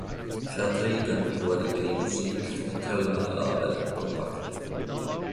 Vertrieben wurde die Musik vom Kölner Label Kompakt.